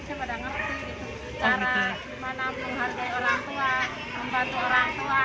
sangat terbantu ya